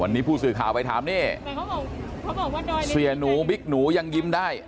วันนี้ผู้สื่อข่าวไปถามเนี่ยเสียหนูบิกหนูยังยิ้มได้